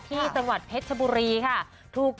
ที่จังหวัดเพชรชบุรีค่ะ